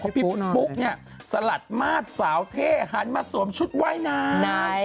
พี่ปุ๊กเนี่ยสลัดมาสสาวเท่หันมาสวมชุดว่ายน้ำ